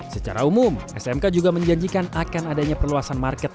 secara umum smk juga menjanjikan akan adanya perluasan market